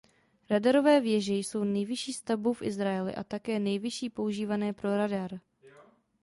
Radarové věže jsou nejvyšší stavbou v Izraeli a také nejvyšší používané pro radar.